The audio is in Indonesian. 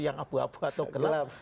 yang abu abu atau gelap